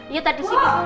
iya tadi sih bu